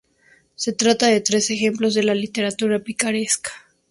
Se trata de tres ejemplos de la literatura picaresca.